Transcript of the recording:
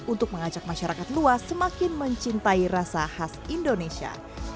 untuk mengajak masyarakat luas semakin mencintai rasa khas indonesia